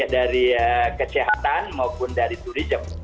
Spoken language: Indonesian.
dari kecehatan maupun dari turism